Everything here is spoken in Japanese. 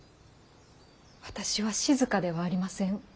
私は静ではありません。